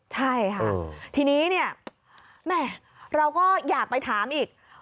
ใช่ค่ะทีนี้เราก็อยากไปถามอีก